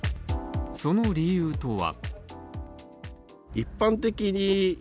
その理由とは。